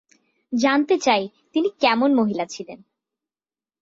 জানতে চাই তিনি কেমন মহিলা ছিলেন।